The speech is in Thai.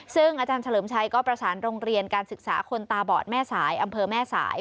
ซึ่งอาจารย์เฉลิมชัยก็ประสานโรงเรียนการศึกษาคนตาบอดแม่สายอำเภอแม่สาย